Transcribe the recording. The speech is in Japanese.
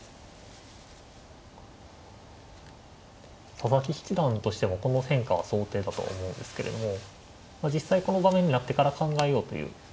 佐々木七段としてもこの変化は想定だと思うんですけれども実際この場面になってから考えようという。